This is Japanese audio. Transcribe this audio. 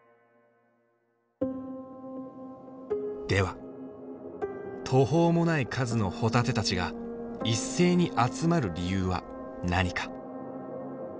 では途方もない数のホタテたちが一斉に集まる理由は何か？